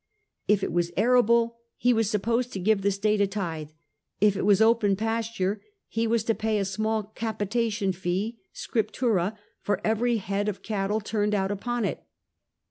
If it was arable, he was supposed to give the state a tithe ; if it was open pasture, he was to pay a small capitation fee (^scriptura) for every head of cattle turned out upon it.